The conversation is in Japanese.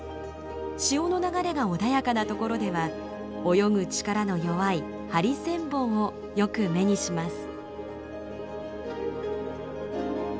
潮の流れが穏やかな所では泳ぐ力の弱いハリセンボンをよく目にします。